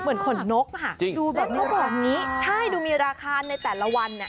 เหมือนขนนกค่ะดูแบบนี้ใช่ดูมีราคาในแต่ละวัน